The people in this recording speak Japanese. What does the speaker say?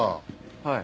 はい。